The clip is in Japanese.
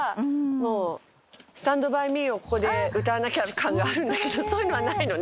もう『スタンド・バイ・ミー』をここで歌わなきゃ感があるんだけどそういうのはないのね。